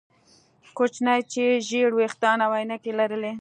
کوچنی چې ژیړ ویښتان او عینکې یې لرلې